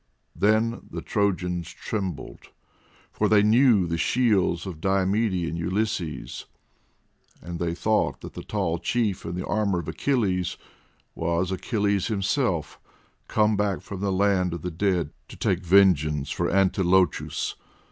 Then the Trojans trembled, for they knew the shields of Diomede and Ulysses, and they thought that the tall chief in the armour of Achilles was Achilles himself, come back from the land of the dead to take vengeance for Antilochus.